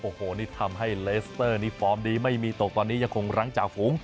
โอ้โหนี่ทำให้เลสเตอร์นี่ฟอร์มดีไม่มีตกตอนนี้ยังคงรั้งจ่าฝูง